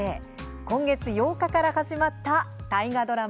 今月８日から始まった大河ドラマ